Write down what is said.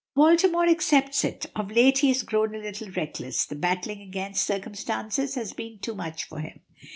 Baltimore accepts it. Of late he has grown a little reckless. The battling against circumstances has been too much for him.